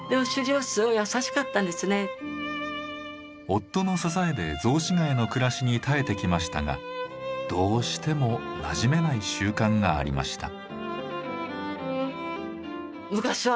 夫の支えで雑司ヶ谷の暮らしに耐えてきましたがどうしてもなじめない習慣がありました。